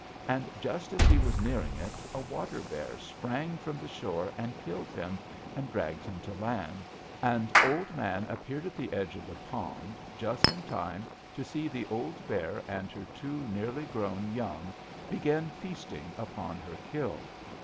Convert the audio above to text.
And just as he was nearing it a water bear sprang from the shore, and killed him, and dragged him to land, and Old Man appeared at the edge of the pond just in time to see the bear and her two nearly grown young begin feasting upon her kill.